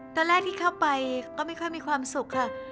ตอนแรกที่เข้าไปก็ไม่ค่อยมีความสุขค่ะ